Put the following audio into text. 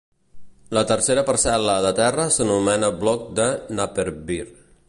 La tercera parcel·la de terra s'anomena Bloc de Napperby.